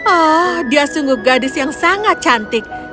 oh dia sungguh gadis yang sangat cantik